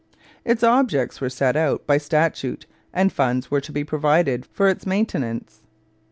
Its objects were set out by statute and funds were to be provided for its maintenance.